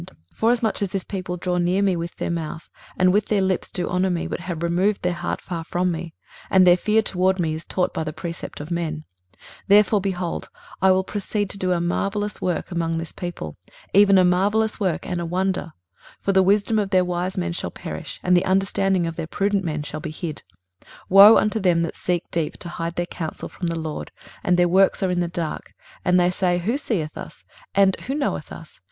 23:029:013 Wherefore the Lord said, Forasmuch as this people draw near me with their mouth, and with their lips do honour me, but have removed their heart far from me, and their fear toward me is taught by the precept of men: 23:029:014 Therefore, behold, I will proceed to do a marvellous work among this people, even a marvellous work and a wonder: for the wisdom of their wise men shall perish, and the understanding of their prudent men shall be hid. 23:029:015 Woe unto them that seek deep to hide their counsel from the LORD, and their works are in the dark, and they say, Who seeth us? and who knoweth us?